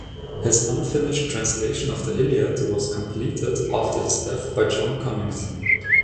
His unfinished translation of the "Iliad" was completed after his death by John Conington.